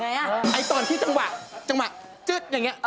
ไอ้ตอนที่จังหวะจึ๊บอย่างนี้